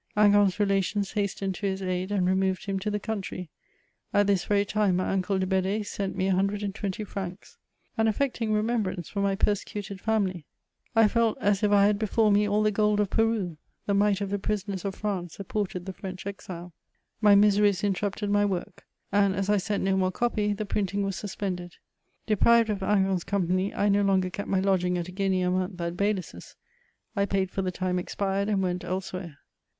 Hingant's relations hastened to his aid^ and removed him to the country. At this very time my uncle de Bed4e, sent me 120 francs ; an affecting remembrance from my persecuted family ; I felt as if I had before me all the gold of Peru ; the mite of the prisoners of France supported the French exile. My miseries interrupted my work ; and, as I sent no more copy, the printing was suspended. Deprived of Hingant's company, 1 no longer kept my lodging at a guinea a month, at Baylis's. I paid for the time expired, and went elsewhere.